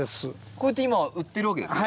こうやって今売ってるわけですか？